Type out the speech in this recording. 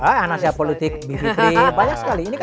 hah anak saya politik bibit prih banyak sekali